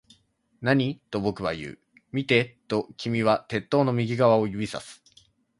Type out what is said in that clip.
何？と僕は言う。見て、と君は鉄塔の右側を指差す